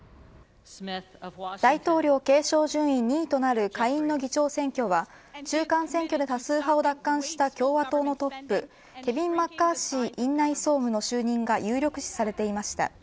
大統領継承順位２位となる下院の議長選挙は中間選挙で多数派を奪還した共和党のトップケビン・マッカーシー院内総務の就任が有力視されていました。